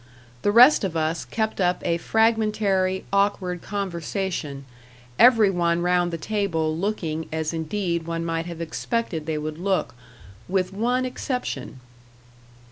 The rest of us kept up a fragmentary, awkward conversation, every one round the table looking as indeed one might have expected they would look with one exception.